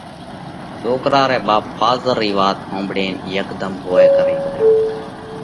سوڪرا رئہ ٻاپ ڦازر رئِي وات ۿومۯينَ هيڪڌم هووَئہ ڪرئِي پرئِي